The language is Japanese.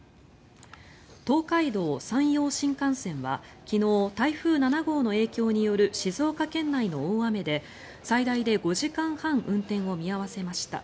東海道・山陽新幹線は昨日、台風７号の影響による静岡県内の大雨で最大で５時間半運転を見合わせました。